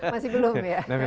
masih belum ya